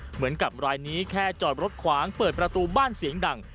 เหมือนกับรายนี้แค่จอดรถขวางเปิดประตูบ้านเสียงดัง